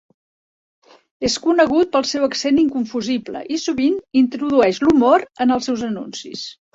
És conegut pel seu accent inconfusible, i sovint introdueix l'humor en els seus anuncis.